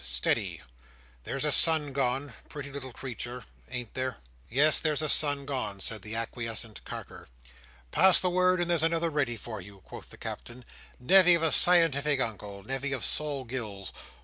steady! There's a son gone: pretty little creetur. Ain't there?" "Yes, there's a son gone," said the acquiescent Carker. "Pass the word, and there's another ready for you," quoth the Captain. "Nevy of a scientific Uncle! Nevy of Sol Gills!